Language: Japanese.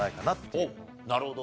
なるほど。